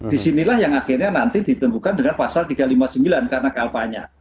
disinilah yang akhirnya nanti ditentukan dengan pasal tiga ratus lima puluh sembilan karena kalpanya